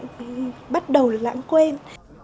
mà lâu nay chúng ta bắt đầu lãng quên